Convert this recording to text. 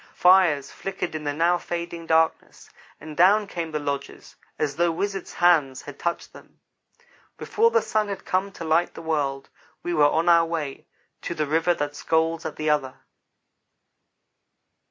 Fires flickered in the now fading darkness, and down came the lodges as though wizard hands had touched them. Before the sun had come to light the world, we were on our way to "The River That Scolds at the Other."